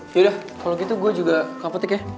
yaudah kalo gitu gue juga ke apotek ya